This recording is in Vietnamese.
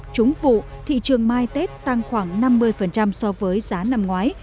trúng vụ thị trường mai tết tăng khoảng năm mươi so với giá năm ngoái